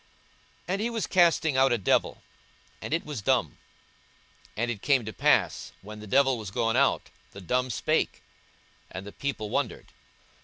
42:011:014 And he was casting out a devil, and it was dumb. And it came to pass, when the devil was gone out, the dumb spake; and the people wondered.